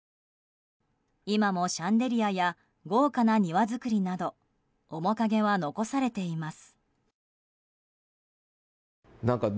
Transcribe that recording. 今もシャンデリアや豪華な庭造りなど面影は残されています。